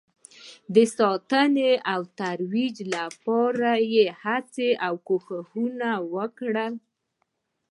د ساتنې او ترویج لپاره هڅې او کوښښونه وکړئ